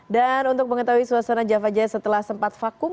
dan untuk mengetahui suasana java jazz setelah sempat vakum